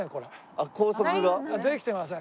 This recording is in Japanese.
あっ高速が？できてません。